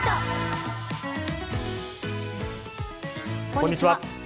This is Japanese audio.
こんにちは。